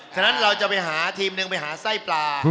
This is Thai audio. ฉะนั้นเราจะไปหาทีมหนึ่งไปหาไส้ปลา